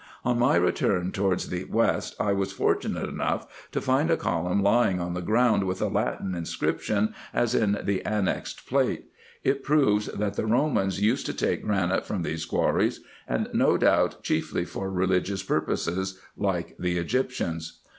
On my return towards the west, I was fortunate enough to find a column lying on the ground, with a Latin inscription, as in the annexed plate. It proves, that the Romans used to take granite from these quarries, and, no doubt, chiefly for religious purposes, like the Egyptians.